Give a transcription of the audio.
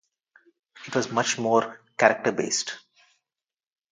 It was much more character-based.